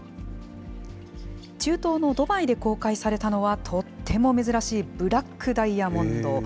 中東のドバイで公開されたのは、とっても珍しいブラックダイヤモンド。